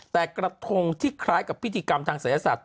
แต่กระทงที่คล้ายกับพิธีกรรมทางศัยศาสต